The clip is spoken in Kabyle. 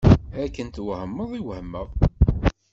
Akken twehmeḍ i wehmeɣ.